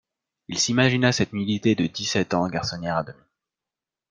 Il imagina cette nudité de dix-sept ans garçonnière à demi.